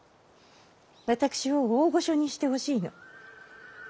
私を大御所にしてほしいの。